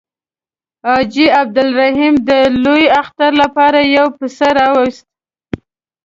حاجي عبدالرحیم د لوی اختر لپاره یو پسه راووست.